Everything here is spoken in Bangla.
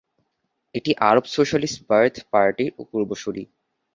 এটি আরব সোশ্যালিস্ট বাথ পার্টির পূর্বসূরি।